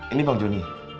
ini bang joni